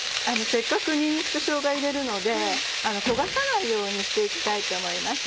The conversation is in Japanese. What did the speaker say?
せっかくにんにくとしょうが入れるので焦がさないようにして行きたいと思います。